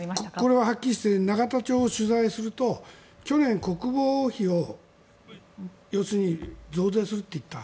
これははっきりしていて永田町を取材すると去年、国防費を要するに増税すると言った。